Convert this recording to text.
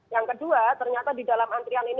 yang kedua ternyata di dalam antrian ini